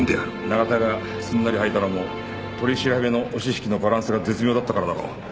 永田がすんなり吐いたのも取り調べの押し引きのバランスが絶妙だったからだろう。